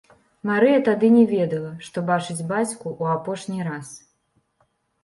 Марыя тады не ведала, што бачыць бацьку ў апошні раз.